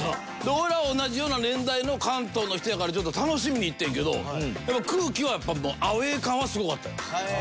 俺らは同じような年代の関東の人やからちょっと楽しみに行ってんけど空気はやっぱアウェー感はすごかったよ。